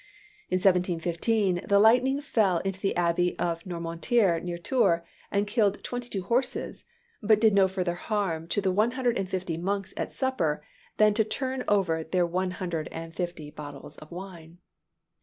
In 1715 the lightning fell into the abbey of Noirmoutiers, near Tours, and killed twenty two horses, but did no further harm to the one hundred and fifty monks at supper than to turn over their one hundred and fifty bottles of wine.